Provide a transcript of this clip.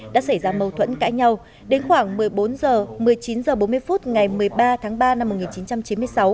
đã xảy ra mâu thuẫn cãi nhau đến khoảng một mươi bốn h một mươi chín h bốn mươi phút ngày một mươi ba tháng ba năm một nghìn chín trăm chín mươi sáu